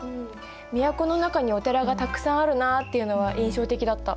都の中にお寺がたくさんあるなっていうのは印象的だった。